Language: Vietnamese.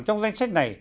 trong danh sách này